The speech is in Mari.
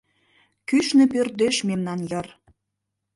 Кӱшнӧ пӧрдеш мемнан йыр.